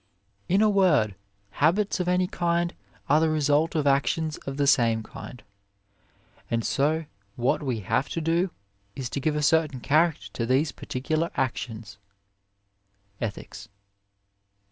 "In a word, habits of any kind are the result of actions of the same kind ; and so what we have to do, is to give a certain character to these particular actions" (Ethics).